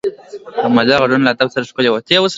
د مجلس غږونه له ادب سره ښکلي وي